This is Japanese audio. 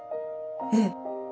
ええ。